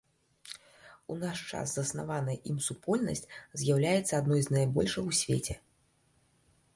У наш час заснаваная ім супольнасць з'яўляецца адной з найбольшых у свеце.